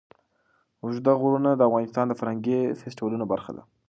اوږده غرونه د افغانستان د فرهنګي فستیوالونو برخه ده.